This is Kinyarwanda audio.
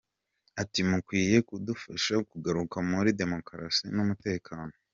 Ati “ Mukwiye kudufasha kugaruka muri demokarasi n’umutekano.